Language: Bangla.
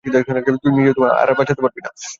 তুই নিজেও আর বাচঁতে পারবি না।